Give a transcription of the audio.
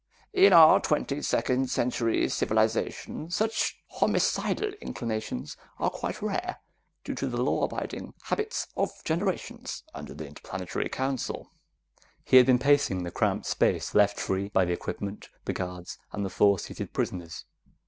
In our twenty second century civilization such homicidal inclinations are quite rare, due to the law abiding habits of generations under the Interplanetary Council." He had been pacing the cramped space left free by the equipment, the guards, and the four seated prisoners.